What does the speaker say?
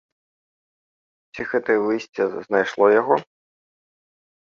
Ці гэтае выйсце знайшло яго?